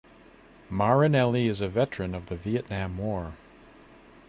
Marinelli is a veteran of the Vietnam War.